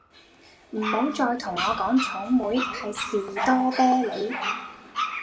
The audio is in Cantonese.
唔好再同我講草莓，係士多啤利